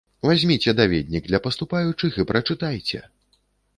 Вазьміце даведнік для паступаючых і прачытайце!